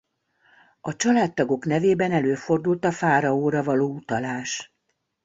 A családtagok nevében előfordult a fáraóra való utalás.